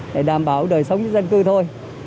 để đảm bảo đời sống dưới dân cư thôi